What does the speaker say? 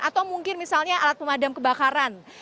atau mungkin misalnya alat pemadam kebakaran